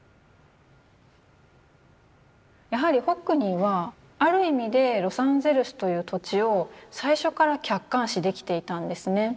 やはりホックニーはある意味でロサンゼルスという土地を最初から客観視できていたんですね。